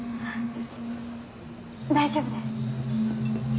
大丈夫です。